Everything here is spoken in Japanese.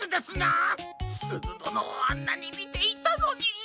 すずどのをあんなにみていたのに。